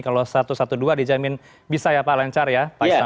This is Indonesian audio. kalau satu ratus dua belas dijamin bisa ya pak lancar ya pak